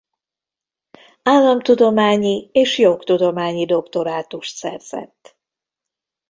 Államtudományi és jogtudományi doktorátust szerzett.